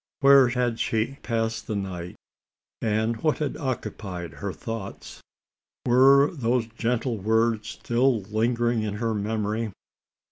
Where had she passed the night, and what had occupied her thoughts? Were those gentle words still lingering in her memory?